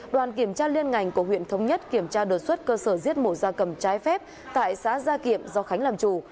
đoàn kiểm tra liên ngành của huyện thống nhất kiểm tra đột xuất cơ sở giết mổ da cầm trái phép tại xã gia kiệm do khánh làm chủ